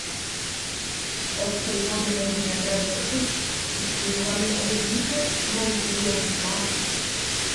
Od tej pory będziemy nagradzać oszustów, tych którzy łamią obietnice i manipulują liczbami